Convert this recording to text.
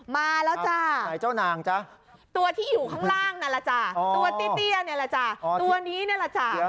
มาแล้วจ้าตัวที่อยู่ข้างล่างนั่นล่ะจ้าตัวตี้เตี้ยนั่นล่ะจ้าตัวนี้นั่นล่ะจ้า